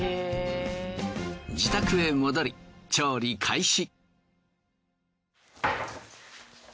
自宅へ戻り調理開始。